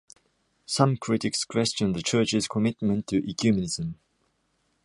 Some critics questioned the Church's commitment to ecumenism.